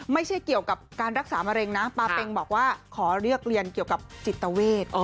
ไม่ใช่เกี่ยวกับการรักษามะเร็งนะปาเป็งบอกว่าขอเลือกเรียนเกี่ยวกับจิตเวท